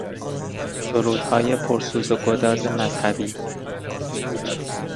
سرودهای پر سوز و گداز مذهبی